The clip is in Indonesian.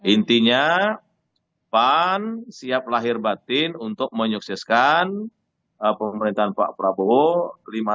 intinya pan siap lahir batin untuk menyukseskan pemerintahan pak prabowo